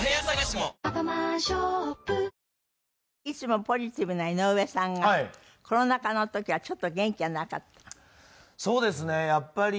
いつもポジティブな井上さんがコロナ禍の時はちょっと元気がなかった。